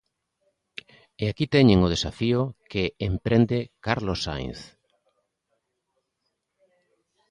E aquí teñen o desafío que emprende Carlos Sainz.